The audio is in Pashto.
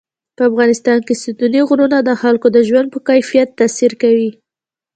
په افغانستان کې ستوني غرونه د خلکو د ژوند په کیفیت تاثیر کوي.